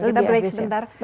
kita break sebentar